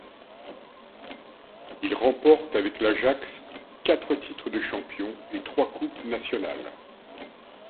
Il remporte avec l'Ajax quatre titre de champion, et trois coupes nationales.